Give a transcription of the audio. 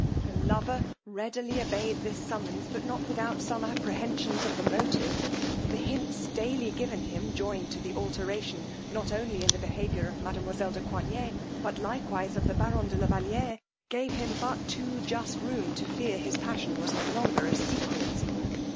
The lover readily obeyed this summons, but not without some apprehensions of the motive: the hints daily given him, joined to the alteration, not only in the behaviour of mademoiselle de Coigney, but likewise of the baron de la Valiere, gave him but too just room to fear his passion was no longer a secret.